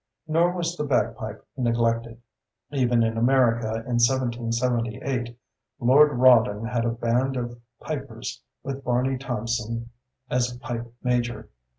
Nor was the bagpipe neglected. Even in America, in 1778, Lord Rawdon had a band of pipers, with Barney Thomson as Pipe Major.